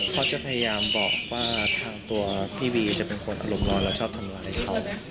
เขาจะพยายามบอกว่าทางตัวพี่วีจะเป็นคนอารมณ์ร้อนแล้วชอบทำร้ายเขา